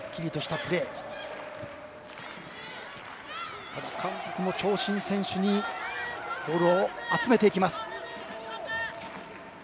ただ、韓国も長身選手にボールを集めていきます。